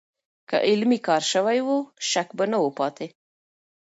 که عملي کار سوی و، شک به نه و پاتې.